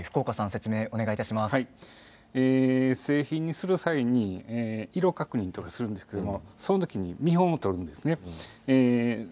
製品にする際に色の確認をするんですがその時に見本を取るんですね。